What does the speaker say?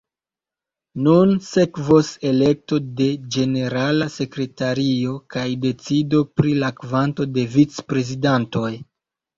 Nun sekvos elekto de ĝenerala sekretario kaj decido pri la kvanto de vicprezidantoj.